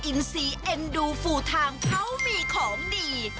ซีเอ็นดูฟูทางเขามีของดี